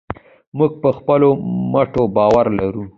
موږ په خپلو مټو باور لرو.